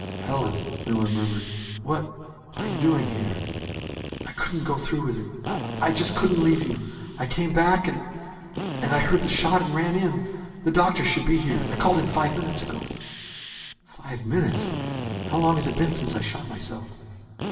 "Helen!" Miller murmured. "What are you doing here?" "I couldn't go through with it. I I just couldn't leave you. I came back and and I heard the shot and ran in. The doctor should be here. I called him five minutes ago." "Five minutes ... How long has it been since I shot myself?"